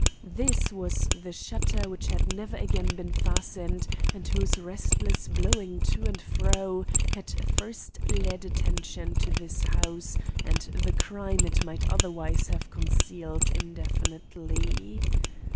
This was the shutter which had never again been fastened and whose restless blowing to and fro had first led attention to this house and the crime it might otherwise have concealed indefinitely.